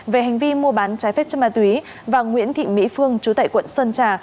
về hành vi mua bán trái phép chất ma túy và nguyễn thị mỹ phương chú tại quận sơn trà